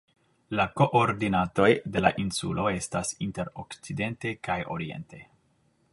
La koordinatoj de la insulo estas inter okcidente kaj oriente.